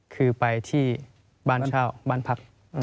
คือไปที่บ้านเช่าบ้านพัก